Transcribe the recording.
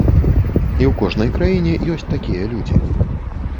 І ў кожнай краіне ёсць такія людзі.